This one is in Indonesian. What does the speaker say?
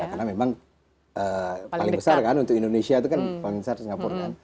karena memang paling besar kan untuk indonesia itu kan paling besar singapura kan